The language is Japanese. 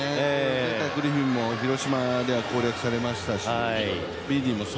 前回、グリフィンも広島では攻略されましたし。